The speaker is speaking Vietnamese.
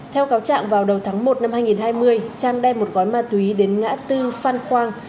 theo cáo trạng vào đầu tháng một năm hai nghìn hai mươi trang đem một gói ma túy đến ngã tư phan khoang